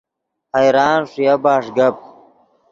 حیران ݰویا بݰ گپ